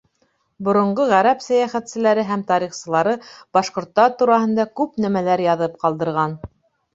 Боронғо ғәрәп сәйәхәтселәре һәм тарихсылары башҡорттар тураһында күп нәмәләр яҙып ҡалдырған.